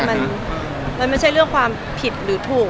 มันไม่ใช่เรื่องความผิดหรือถูก